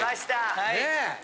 はい。